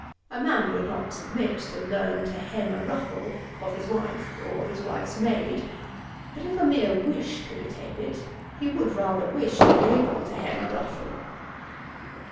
A man would not submit to learn to hem a ruffle, of his wife, or his wife's maid; but if a mere wish could attain it, he would rather wish to be able to hem a ruffle.'